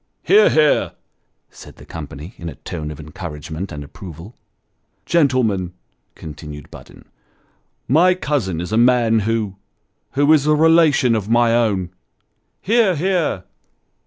" Hear ! hear !" said the company, in a tone of encouragement and approval. Toasts. 241 "Gentlemen," continued Budden, "my cousin is a man who who as a relation of my own." (Hear! hear!)